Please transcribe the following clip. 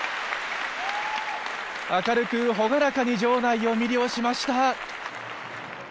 明るく朗らかに場内を魅了しました。